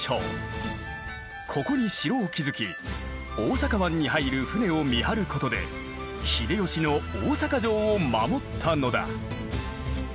ここに城を築き大阪湾に入る船を見張ることで秀吉の大坂城を守ったのだ。